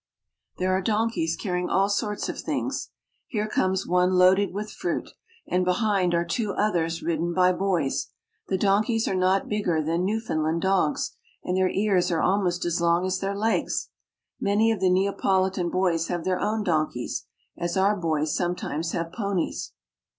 There are donkeys carrying all sorts of things. Here comes one loaded with fruit, and behind are two others ridden by boys. The donkeys are not bigger than New foundland dogs, and their ears are almost as long as their legs. Many of the Neapolitan boys have their own donkeys, as our boys sometimes have ponies.